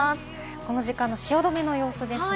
この時間の汐留の様子ですが。